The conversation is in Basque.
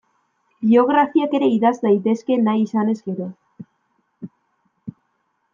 Biografiak ere idatz daitezke nahi izanez gero.